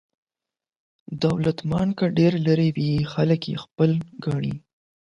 دولتمند که ډېر لرې وي خلک یې خپل ګڼي.